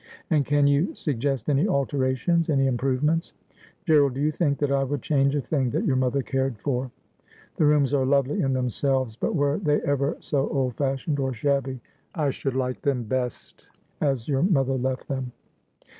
' And can you suggest any alterations — any improve ments ?'' G erald, do you think that I would change a thing that your mother cared for ? The rooms are lovely in themselves ; but were they ever so old fashioned or shab^jy, I should like them bes as your mother left them.'